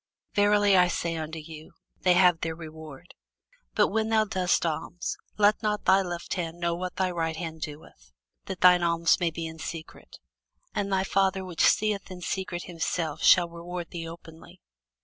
Verily I say unto you, They have their reward. But when thou doest alms, let not thy left hand know what thy right hand doeth: that thine alms may be in secret: and thy Father which seeth in secret himself shall reward thee openly.